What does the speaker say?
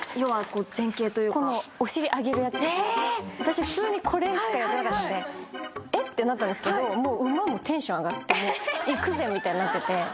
私普通にこれしかやってなかったんで「え？」ってなったんですけど馬もテンション上がって「行くぜ」みたいになってて。